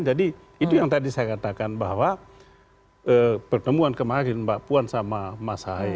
jadi itu yang tadi saya katakan bahwa pertemuan kemarin mbak puan sama mas ahai